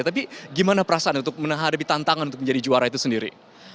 tapi gimana perasaan untuk menah hadapi tantangan untuk menjadi juara itu sendiri